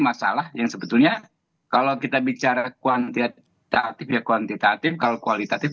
masalah yang sebetulnya kalau kita bicara kuantitatif ya kuantitatif kalau kualitatif